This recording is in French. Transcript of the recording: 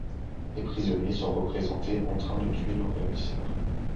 Les prisonniers sont représentés en train de tuer leurs ravisseurs.